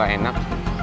rasa gue gak enak